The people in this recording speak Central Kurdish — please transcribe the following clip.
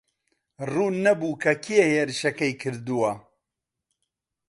ڕوون نەبوو کە کێ هێرشەکەی کردووە.